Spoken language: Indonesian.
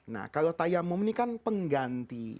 nah kalau tayamum ini kan pengganti